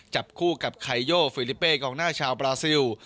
จับคู่กับไคโยฟิลิเป้กองหน้าชาวบราซิล